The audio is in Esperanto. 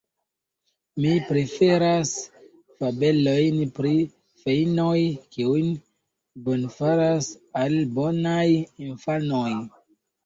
Mi preferas fabelojn pri feinoj, kiuj bonfaras al bonaj infanoj.